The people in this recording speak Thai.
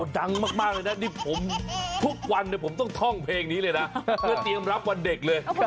ดังมากเลยนะนี่ผมทุกวันผมต้องท่องเพลงนี้เลยนะเพื่อเตรียมรับวันเด็กเลย